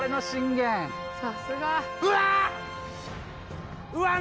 さすが。うわ！うわ。